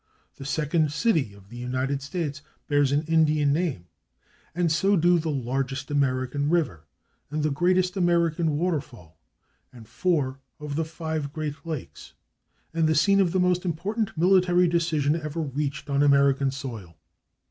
The second city of the United States bears an Indian name, and so do the largest American river, and the greatest American water fall, and four of the five great Lakes, and the scene of the most important military decision ever reached on American soil.